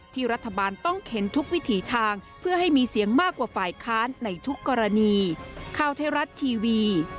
รัฐบาลต้องเข็นทุกวิถีทางเพื่อให้มีเสียงมากกว่าฝ่ายค้านในทุกกรณี